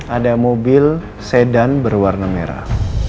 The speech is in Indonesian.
ada mobil sedan berwarna merah